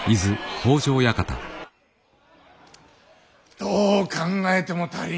どう考えても足りんな。